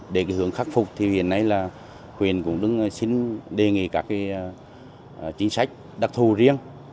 để hướng khắc phục thì hiện nay là huyện cũng đứng xin đề nghị các chính sách đặc thù riêng